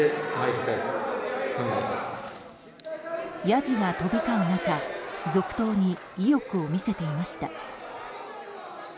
やじが飛び交う中続投に意欲を見せていました。